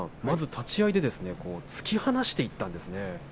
立ち合いで突き放していったんですね。